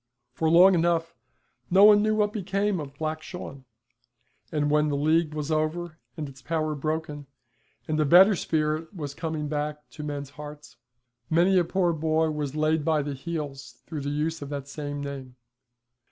For long enough no one knew what became of Black Shawn, and when the League was over and its power broken, and a better spirit was coming back to men's hearts, many a poor boy was laid by the heels through the use of that same name.